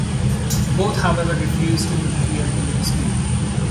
Both, however, refused to interfere in the dispute.